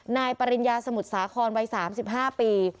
นายปริญญาสมุทรสาครวัย๓๕ปี